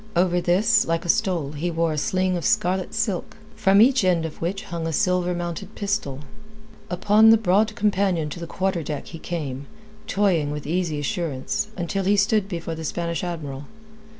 Over this, like a stole, he wore a sling of scarlet silk, from each end of which hung a silver mounted pistol. Up the broad companion to the quarter deck he came, toying with easy assurance, until he stood before the Spanish Admiral.